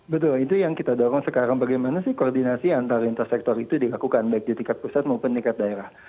betul itu yang kita dorong sekarang bagaimana sih koordinasi antar lintas sektor itu dilakukan baik di tingkat pusat maupun di tingkat daerah